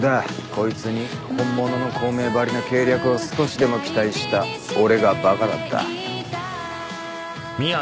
こいつに本物の孔明ばりの計略を少しでも期待した俺がバカだった。